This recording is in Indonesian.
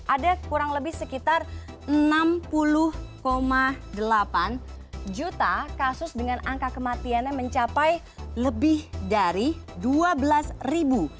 ada kurang lebih sekitar enam puluh delapan juta kasus dengan angka kematiannya mencapai lebih dari dua belas ribu